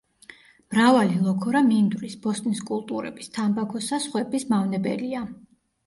მრავალი ლოქორა მინდვრის, ბოსტნის კულტურების, თამბაქოსა სხვების მავნებელია.